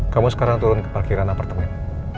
kamu sekarang turun ke parkiran apartemen